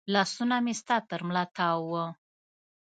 لاسونه مې ستا تر ملا تاو و